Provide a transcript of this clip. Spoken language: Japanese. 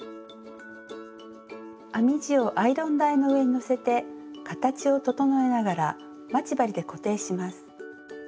編み地をアイロン台の上にのせて形を整えながら待ち針で固定します。